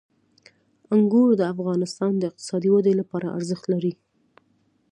انګور د افغانستان د اقتصادي ودې لپاره ارزښت لري.